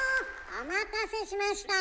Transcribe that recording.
お待たせしました。